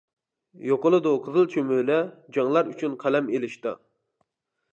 يوقىلىدۇ قىزىل چۆمۈلە، جەڭلەر ئۈچۈن قەلەم ئېلىشتا.